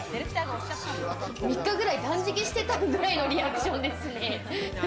３日くらい断食してたぐらいのリアクションですね。